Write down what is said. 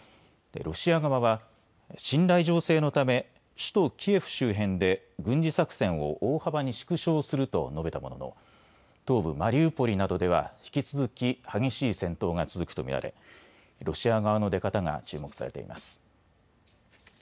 ロシア側は信頼醸成のため首都キエフ周辺で軍事作戦を大幅に縮小すると述べたものの東部マリウポリなどでは引き続き激しい戦闘が続くと見られロシア側の出方が注目されています。